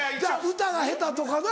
歌が下手とかな。